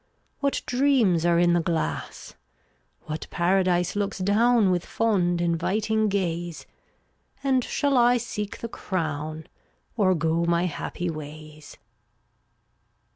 What dreams are in the glass! What paradise looks down With fond inviting gaze! And shall I seek the crown Or go my happy ways?